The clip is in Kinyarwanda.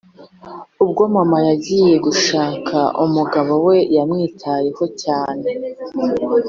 Ubwo mama yongeye gushaka umugabo we yamwitayeho cyane